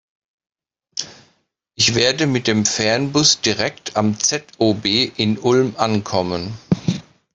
Ich werde mit dem Fernbus direkt am ZOB in Ulm ankommen.